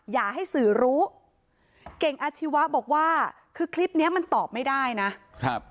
อย่าให้สื่อรู้เก่งอาชีวะบอกว่าคือคลิปเนี้ยมันตอบไม่ได้นะครับ